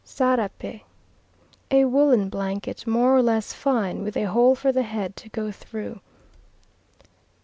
Sarape A woollen blanket more or less fine, with a hole for the head to go through.